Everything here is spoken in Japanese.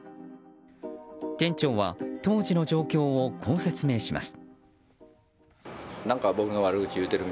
店長は当時の状況をこう説明します。